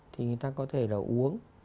thì người ta có thể là uống